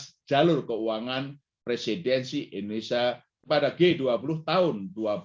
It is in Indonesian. dan memperkuat kualitas jalur keuangan presidensi indonesia pada g dua puluh tahun dua ribu dua puluh dua